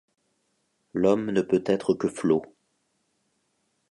L’homme ne peut être que flot.